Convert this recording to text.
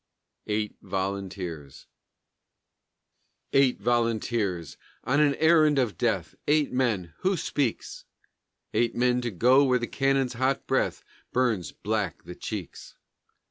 EIGHT VOLUNTEERS Eight volunteers! on an errand of death! Eight men! Who speaks? Eight men to go where the cannon's hot breath Burns black the cheeks.